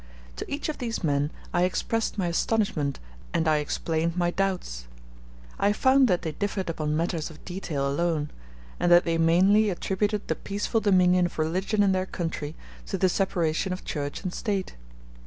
To each of these men I expressed my astonishment and I explained my doubts; I found that they differed upon matters of detail alone; and that they mainly attributed the peaceful dominion of religion in their country to the separation of Church and State.